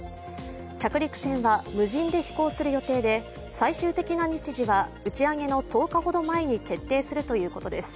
着陸船は無人で飛行する予定で、最終的な日時は打ち上げの１０日ほど前に決定するということです。